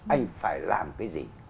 anh phải làm cái gì